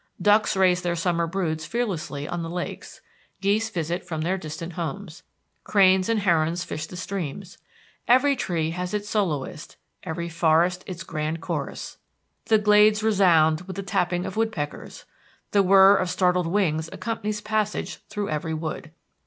Ducks raise their summer broods fearlessly on the lakes. Geese visit from their distant homes. Cranes and herons fish the streams. Every tree has its soloist, every forest its grand chorus. The glades resound with the tapping of woodpeckers. The whirr of startled wings accompanies passage through every wood.